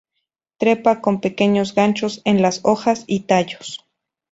Trepa con pequeños ganchos en las hojas y tallos.